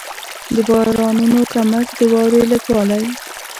د بارانونو کمښت، د واورې لږ والی.